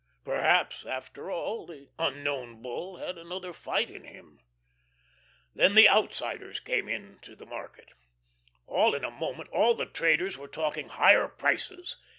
Perhaps, after all, the Unknown Bull had another fight in him. Then the "outsiders" came into the market. All in a moment all the traders were talking "higher prices."